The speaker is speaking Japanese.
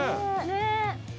ねえ！